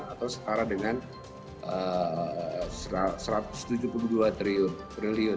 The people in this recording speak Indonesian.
atau setara dengan satu ratus tujuh puluh dua triliun